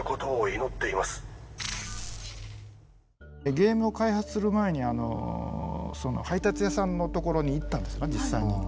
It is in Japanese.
ゲームを開発する前に配達屋さんのところに行ったんですね実際に。